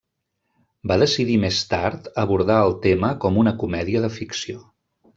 Va decidir més tard abordar el tema com una comèdia de ficció.